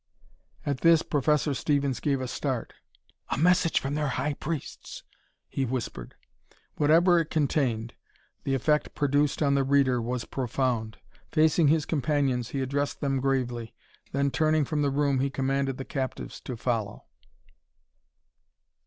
_" At this, Professor Stevens gave a start. "A message from their high priests!" he whispered. Whatever it contained, the effect produced on the reader was profound. Facing his companions, he addressed them gravely. Then, turning from the room, he commanded the captives to follow.